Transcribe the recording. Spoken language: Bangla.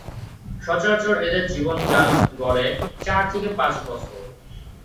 সচরাচর এদের জীবনকাল গড়ে চার থেকে পাঁচ বছর।